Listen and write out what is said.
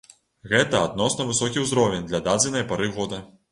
Гэта адносна высокі ўзровень для дадзенай пары года.